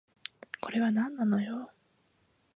これはなんなのよ